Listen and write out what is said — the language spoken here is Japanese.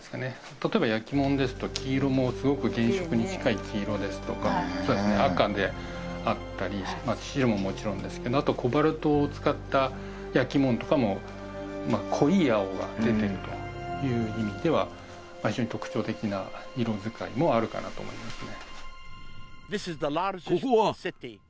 例えば焼き物ですと黄色もすごく原色に近い黄色ですとかそうですね赤であったりまあ白ももちろんですけどあとコバルトを使った焼き物とかもまあ濃い青が出てるという意味ではまあ非常に特徴的な色使いもあるかなと思いますね